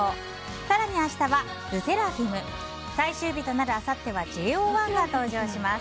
更に、明日はＬＥＳＳＥＲＡＦＩＭ最終日となるあさってはＪＯ１が登場します！